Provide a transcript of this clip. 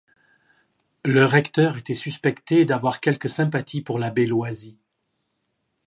Le recteur était suspecté d'avoir quelques sympathie pour l'abbé Loisy.